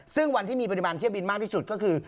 ซึ่งวันที่มีปริมาณเที่ยวบินมากที่สุดก็คือ